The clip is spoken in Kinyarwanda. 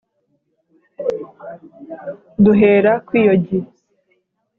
duhera kw’iyogi